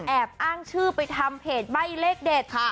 แอบอ้างชื่อไปทำเพจใบ้เลขเด็ด